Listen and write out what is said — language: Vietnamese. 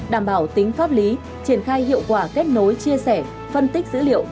đảm bảo tính pháp lý triển khai hiệu quả kết nối chia sẻ phân tích dữ liệu